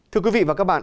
thưa quý vị và các bạn